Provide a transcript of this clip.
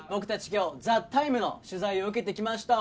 今日「ＴＨＥＴＩＭＥ，」の取材を受けてきました